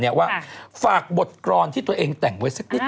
จากบทกรรณ์ที่ตัวเองแต่งไว้สักนิดต่อ